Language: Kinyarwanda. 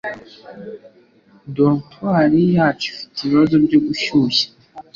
Dortoir yacu ifite ibibazo byo gushyushya